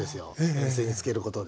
塩水につけることで。